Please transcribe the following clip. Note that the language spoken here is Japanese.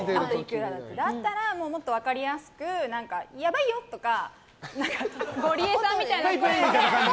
だったら分かりやすくやばいよ！とかゴリエさんみたいな声で。